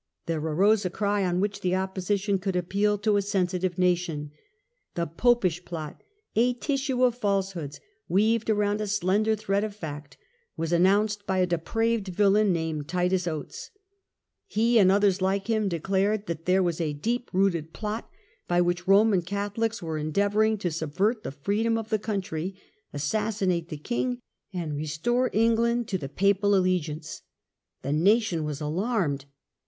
There arose a cry on which the opposition could appeal to a sensitive nation. The Popish Plot, a tissue The Popish of falsehoods weaved around a slender thread Dissolution! of fact, was announced by a depraved villain "678. named Titus Gates. He, and others like him, declared that there wa*s a deep rooted plot by which Roman Catholics were endeavouring to subvert the freedom of the country, assassinate the king, and restore England to the Papal allegiance. The nation was alarmed.